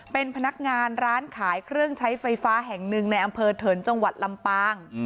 เป็นพนักงานร้านขายเครื่องใช้ไฟฟ้าแห่งหนึ่งในอำเภอเถินจังหวัดลำปาง